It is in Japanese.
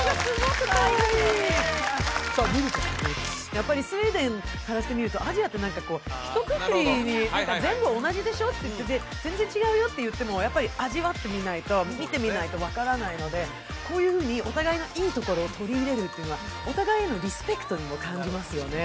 やっぱりスウェーデンからしてみるとアジアって何かこうひとくくりに何か「全部同じでしょ」って「全然違うよ」って言ってもやっぱり味わってみないと見てみないと分からないのでこういうふうにお互いのいい所を取り入れるっていうのはお互いへのリスペクトにも感じますよね